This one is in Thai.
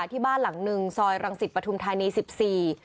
ที่บ้านหลังหนึ่งซอยรังศิษย์ปฐุมธานี๑๔